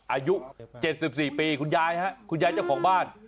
อายุเจ็ดสิบสี่ปีคุณยายฮะคุณยายเจ้าของบ้าน